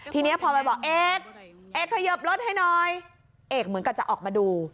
ทีนี้พอไปบอกเอกเอกขยิบรถให้หน่อยเอกเหมือนกับจะออกมาดู